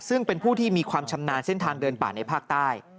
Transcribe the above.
ซึ่งเป็นผู้ที่มีความชำนาญเส้นทางเดินป่าในภาคใต้